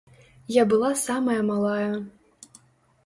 Я была самая малая.